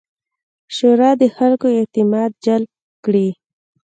شورا د خلکو اعتماد جلب کړي.